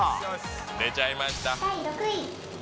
出ちゃいました。